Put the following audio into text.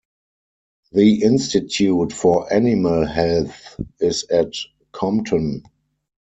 The Institute for Animal Health is at Compton.